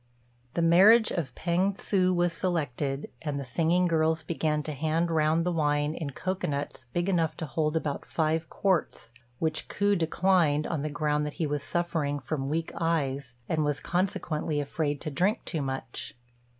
The "Marriage of P'êng Tsu" was selected, and then the singing girls began to hand round the wine in cocoa nuts big enough to hold about five quarts, which Ku declined, on the ground that he was suffering from weak eyes, and was consequently afraid to drink too much.